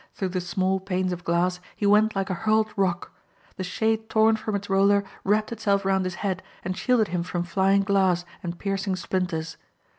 Through the small panes of glass he went like a hurled rock. The shade torn from its roller wrapped itself about his head and shielded him from flying glass and piercing splinters.